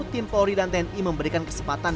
tim polri dan tni memberikan kesempatan